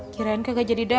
kirain ke gak jadi dateng